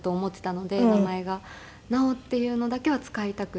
「なお」っていうのだけは使いたくって。